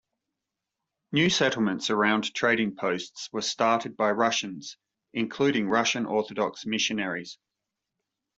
New settlements around trading posts were started by Russians, including Russian Orthodox missionaries.